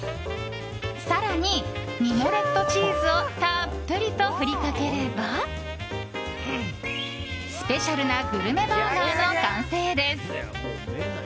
更に、ミモレットチーズをたっぷりと振りかければスペシャルなグルメバーガーの完成です。